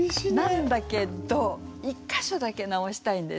なんだけど１か所だけ直したいんですよ。